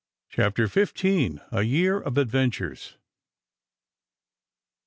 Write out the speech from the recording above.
] CHAPTER XV. A YEAR OF ADVENTURES.